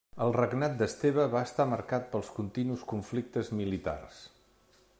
El regnat d'Esteve va estar marcat pels continus conflictes militars.